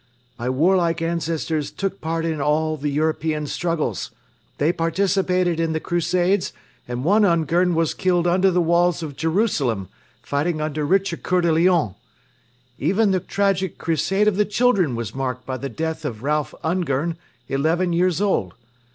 My warlike ancestors took part in all the European struggles. They participated in the Crusades and one Ungern was killed under the walls of Jerusalem, fighting under Richard Coeur de Lion. Even the tragic Crusade of the Children was marked by the death of Ralph Ungern, eleven years old.